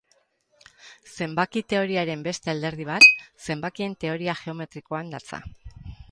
Zenbaki-teoriaren beste alderdi bat zenbakien teoria geometrikoan datza.